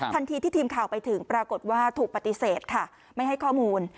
ทันทีที่ทีมข่าวไปถึงปรากฏว่าถูกปฏิเสธค่ะไม่ให้ข้อมูล